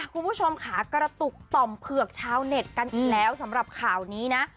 คุณผู้ชมค่ะกระตุกต่อมเผือกชาวเน็ตกันอีกแล้วสำหรับข่าวนี้นะ